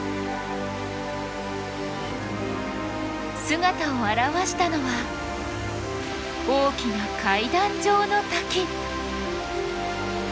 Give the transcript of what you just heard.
姿を現したのは大きな階段状の滝！